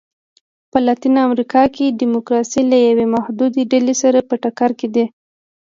په لاتینه امریکا کې ډیموکراسي له یوې محدودې ډلې سره په ټکر کې ده.